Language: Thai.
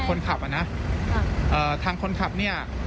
คนขับอ่ะนะทางคนขับเนี่ย